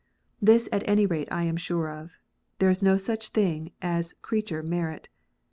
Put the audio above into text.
This at any rate I am sure of there is no such thing as creature merit.